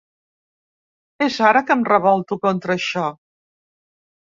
És ara que em revolto contra això.